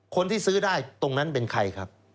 คนที่ซื้อได้ตรงนั้นเป็นใครครับ